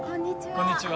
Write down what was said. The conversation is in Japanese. こんにちは。